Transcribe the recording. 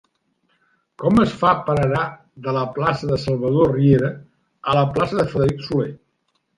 Com es fa per anar de la plaça de Salvador Riera a la plaça de Frederic Soler?